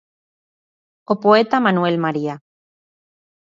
O poeta Manuel María.